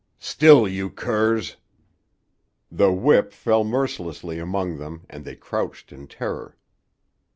"Still, you curs!" The whip fell mercilessly among them and they crouched in terror.